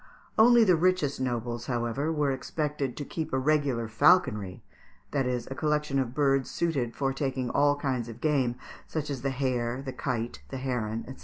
Only the richest nobles, however, were expected to keep a regular falconry, that is, a collection of birds suited for taking all kinds of game, such as the hare, the kite, the heron, &c.